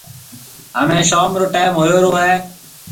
همَي شوم رو ٽيم هوئيو رو هيَ۔